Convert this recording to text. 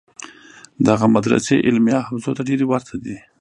دغه مدرسې علمیه حوزو ته ډېرې ورته دي.